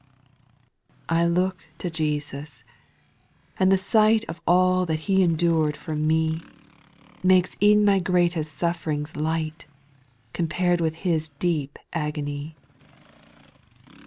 6. I look to Jesus, and the sight Of all that He endured for me, Makes e'en my greatest suff 'rings light. Compared with Uis deep agony.